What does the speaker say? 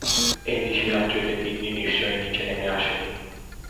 এই নিশিরাত্রিতে তিন্নি নিশ্চয়ই নিচে নেমে আসে নি।